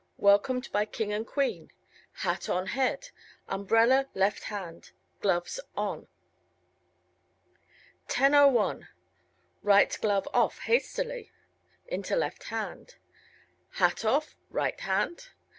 Welcomed by King and Queen. Hat on head. Umbrella left hand. Gloves on. 10:01 Right glove off (hastily) into left hand. Hat off (right hand).